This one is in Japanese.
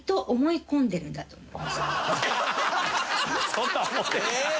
そんな思ってるか。